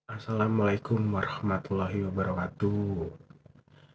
assalamualaikum warahmatullahi wabarakatuh